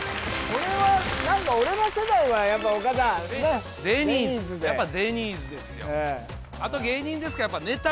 これは何か俺ら世代はやっぱ岡田ねっデニーズやっぱデニーズですよ